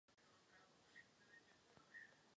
To je to, oč usilujeme.